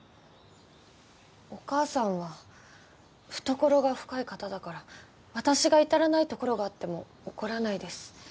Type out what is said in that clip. お母さんは懐が深い方だから私が至らないところがあっても怒らないです。